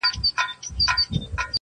د ژوندون خواست یې کوه له ربه یاره ,